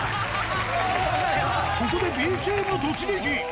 ここでＢチームが突撃。